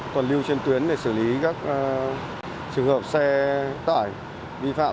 còn lưu trên tuyến để xử lý các trường hợp xe tải vi phạm